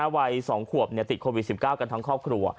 วัย๒ขวบติดโควิด๑๙กันทั้งครอบครัว